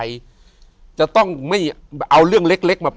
อยู่ที่แม่ศรีวิรัยิลครับ